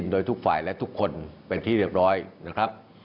โดยทุกฝ่ายและทุกคนเป็นที่เรียบร้อยนะครับ